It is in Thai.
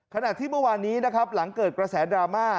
ขณะที่เมื่อวานนี้นะครับหลังเกิดกระแสดราม่า